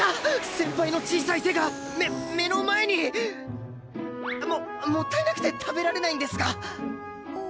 先輩の小さい手がめ目の前に！ももったいなくて食べられないんですが。